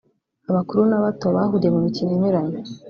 abakuru n’abato bahuriye mu mikino inyuranye